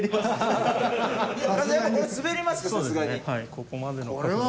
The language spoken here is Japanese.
ここまでの角度は。